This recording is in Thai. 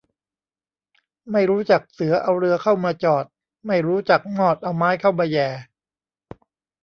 ไม่รู้จักเสือเอาเรือเข้ามาจอด ไม่รู้จักมอดเอาไม้เข้ามาแหย่